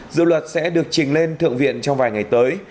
dự luật sẽ được trình lên thượng viện trong vài ngày tới